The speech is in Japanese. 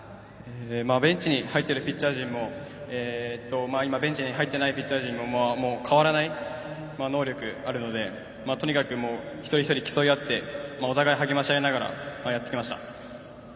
ベンチに入ってるピッチャー陣も今ベンチに入ってないピッチャー陣も変わらない能力あるのでとにかく一人一人競い合ってお互い励まし合いながらやってきました。